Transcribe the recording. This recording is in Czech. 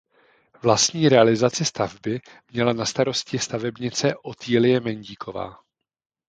Vlastní realizaci stavby měla na starosti stavebnice Otýlie Mendíková.